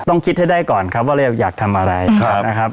คิดให้ได้ก่อนครับว่าเราอยากทำอะไรนะครับ